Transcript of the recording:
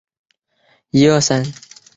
海口公交由公共汽车组成。